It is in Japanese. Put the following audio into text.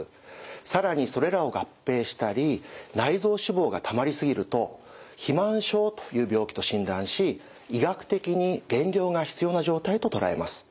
更にそれらを合併したり内臓脂肪がたまり過ぎると肥満症という病気と診断し医学的に減量が必要な状態と捉えます。